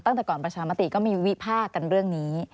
ตั้งแต่ก่อนประชามติก็มีวิพากษ์กันเรื่องนี้